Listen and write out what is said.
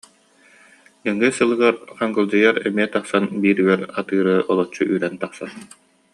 Нөҥүө сылыгар Хаҥкылдьыйар эмиэ тахсан биир үөр атыыры олоччу үүрэн тахсар